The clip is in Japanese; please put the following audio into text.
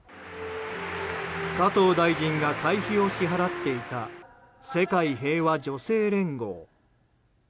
加藤大臣が会費を支払っていた世界平和女性連合。